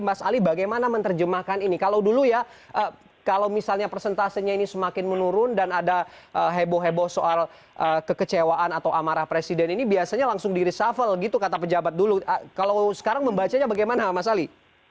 mas ali bagaimana menerjemahkan ini kalau dulu ya kalau misalnya persentasenya ini semakin menurun dan ada heboh heboh soal kekecewaan atau amarah presiden ini biasanya langsung di reshuffle gitu kata pejabat dulu kalau sekarang membacanya bagaimana mas ali